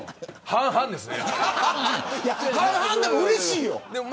半々でもうれしいよ。